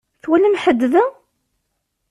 Twalam ḥedd da?